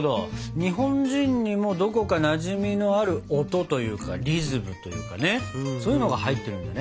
日本人にもどこかなじみのある音というかリズムというかねそういうのが入ってるんだね。